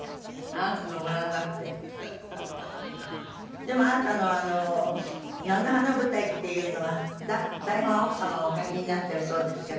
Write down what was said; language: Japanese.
でもあなたの「菜の花舞台」っていうのは台本は奥様がお書きになっているそうですけど。